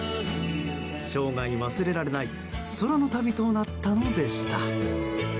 生涯忘れられない空の旅となったのでした。